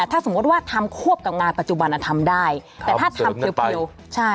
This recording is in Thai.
ถ้าสมมุติว่าทำควบกับงานปัจจุบันอ่ะทำได้แต่ถ้าทำเพลิวใช่